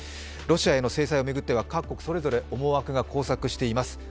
ロシアへの制裁を巡っては各国それぞれ思惑が交錯しています。